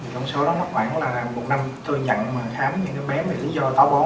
con số đó khoảng là một năm tôi nhận khám những bé bị lý do táo bón